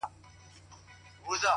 اخلاص د اړیکو قوت ساتي،